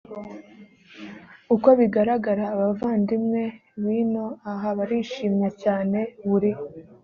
uko bigaragara abavandimwe b ino aha barishimye cyane buri